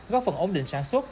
góp phần ổn định sản xuất